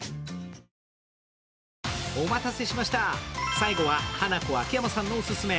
最後はハナコ・秋山さんのオススメ。